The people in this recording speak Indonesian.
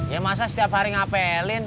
ya masa setiap hari ngapelin